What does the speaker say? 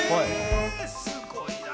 すごいな。